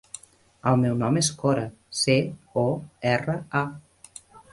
El meu nom és Cora: ce, o, erra, a.